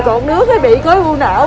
còn đứa bị cối vô não